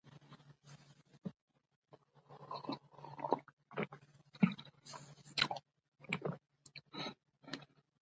چې هره يوه يې ځانګړى خصوصيات لري .